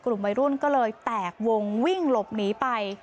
กลุ่มวัยรุ่นก็เลยแตกวงวิ่งหลบหนีไป